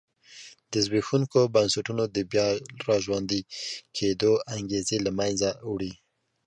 د زبېښونکو بنسټونو د بیا را ژوندي کېدو انګېزې له منځه وړي.